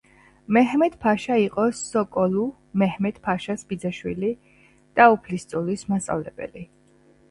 მეჰმედ-ფაშა იყო სოკოლუ მეჰმედ-ფაშას ბიძაშვილი და უფლისწულის მასწავლებელი.